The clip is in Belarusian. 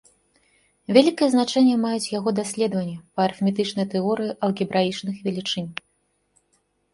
Вялікае значэнне маюць яго даследаванні па арыфметычнай тэорыі алгебраічных велічынь.